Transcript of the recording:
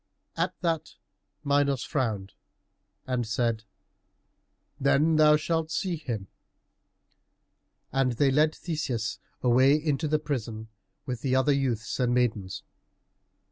At that Minos frowned and said, "Then thou shalt see him." And they led Theseus away into the prison, with the other youths and maidens.